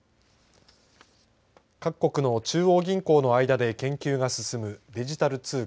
各国の中央銀行の間で研究が進むデジタル通貨